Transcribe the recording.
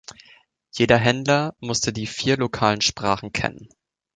Jeder Händler musste die vier lokalen Sprachen kennen.